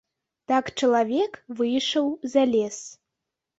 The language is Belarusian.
Так чалавек выйшаў за лес.